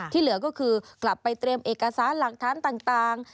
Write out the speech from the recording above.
เหลือก็คือกลับไปเตรียมเอกสารหลักฐานต่าง